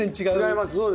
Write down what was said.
違います。